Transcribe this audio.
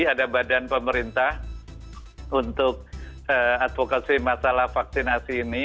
ada badan pemerintah untuk advokasi masalah vaksinasi ini